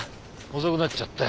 遅くなっちゃった。